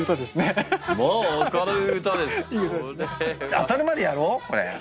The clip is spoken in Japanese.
当たるまでやろうこれ。